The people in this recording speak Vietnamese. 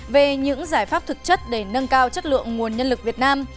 về những giải pháp thực chất để nâng cao chất lượng nguồn nhân lực việt nam